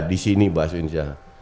di sini bahas indonesia